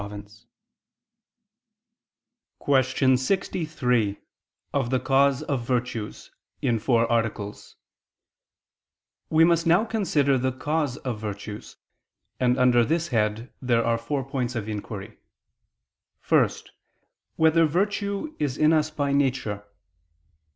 ________________________ QUESTION 63 OF THE CAUSE OF VIRTUES (In Four Articles) We must now consider the cause of virtues; and under this head there are four points of inquiry: (1) Whether virtue is in us by nature?